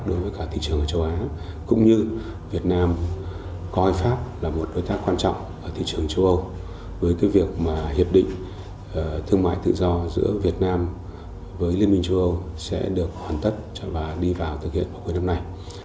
đối với cả thị trường ở châu á cũng như việt nam coi pháp là một đối tác quan trọng ở thị trường châu âu với cái việc mà hiệp định thương mại tự do giữa việt nam với liên minh châu âu sẽ được hoàn tất và đi vào thực hiện vào cuối năm nay